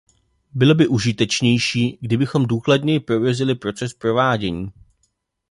Bylo by užitečnější, kdybychom důkladněji prověřili proces provádění.